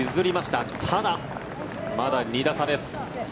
ただ、まだ２打差です。